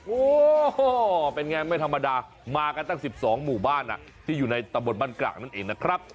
โอ้โหเป็นไงไม่ธรรมดามากันตั้ง๑๒หมู่บ้านที่อยู่ในตะบนบ้านกร่างนั่นเองนะครับ